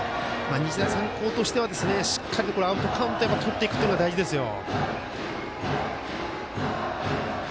日大三高としてはしっかりアウトカウントとっていくのが大事ですよ。